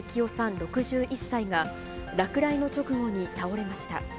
６１歳が、落雷の直後に倒れました。